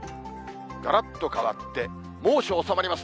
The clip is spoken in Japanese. がらっと変わって、猛暑収まります。